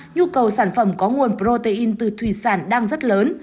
nhu cầu sản phẩm có nguồn protein từ thủy sản đang rất lớn